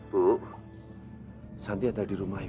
bu santi ada di rumah ini